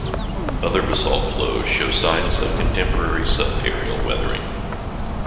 Other basalt flows show signs of contemporary sub-aerial weathering.